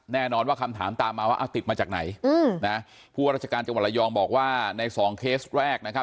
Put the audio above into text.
แน่นอนว่าคำถามตามมาว่าติดมาจากไหนนะผู้ว่าราชการจังหวัดระยองบอกว่าในสองเคสแรกนะครับ